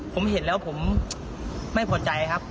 ผมเห็นแล้วผมไม่พอใจครับ